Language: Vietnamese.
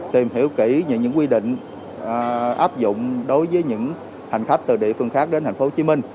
tìm hiểu kỹ về những quy định áp dụng đối với những hành khách từ địa phương khác đến thành phố hồ chí minh